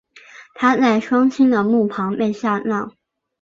她在双亲的墓旁被下葬。